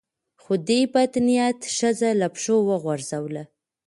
خو دې مدنيت ښځه له پښو وغورځوله